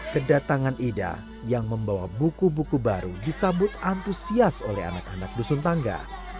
kedatangan ida yang membawa buku buku baru disambut antusias oleh anak anak dusun tangga